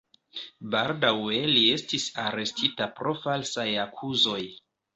Baldaŭe li estis arestita pro falsaj akuzoj.